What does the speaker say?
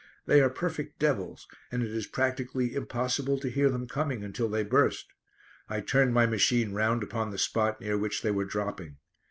They are perfect devils, and it is practically impossible to hear them coming until they burst. I turned my machine round upon the spot near which they were dropping.